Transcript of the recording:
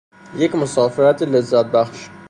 یک مسافرت لذت بخش